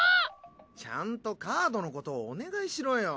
ちゃんとカードのことをお願いしろよ。